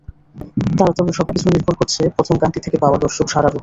তবে সবকিছুই নির্ভর করছে প্রথম গানটি থেকে পাওয়া দর্শক সাড়ার ওপর।